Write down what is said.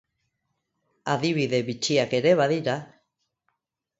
Adibide bitxiak ere badira.